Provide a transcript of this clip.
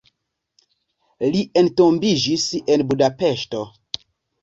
Li entombiĝis en Budapeŝto.